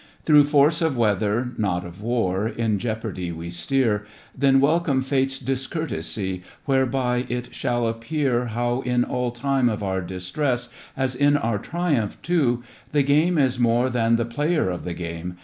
Through force of weather, not of war ^ In jeopardy we steer. Then welcome Fate's discourtesy Whereby it shall appear How in all time of our distress As in our triumph too. The game is more than the player of the game.